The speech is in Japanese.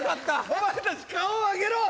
お前たち顔を上げろ！